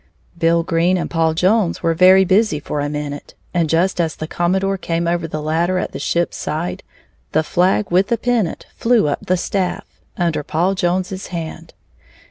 Bill Green and Paul Jones were very busy for a minute, and just as the commodore came over the ladder at the ship's side, the flag with the pennant flew up the staff, under Paul Jones's hand.